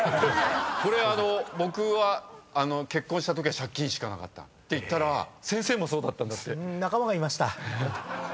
これ僕は結婚したときは借金しかなかったって言ったら先生もそうだったんだって。仲間がいました。